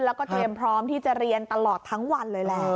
แล้วก็เตรียมพร้อมที่จะเรียนตลอดทั้งวันเลยแหละ